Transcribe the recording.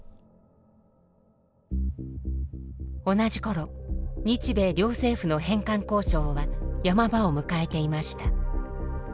同じころ日米両政府の返還交渉は山場を迎えていました。